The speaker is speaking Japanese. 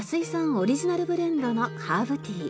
オリジナルブレンドのハーブティー。